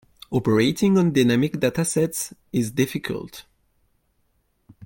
Operating on dynamic data sets is difficult.